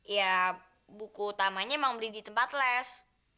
ya buku utamanya emang beli di tempat les